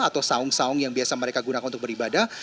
atau saung saung yang biasa mereka gunakan untuk beribadah